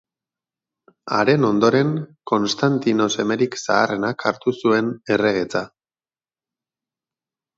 Haren ondoren, Konstantino semerik zaharrenak hartu zuen erregetza.